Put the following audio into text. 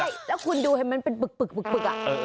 ใช่แล้วคุณดูเห็นมันเป็นปึก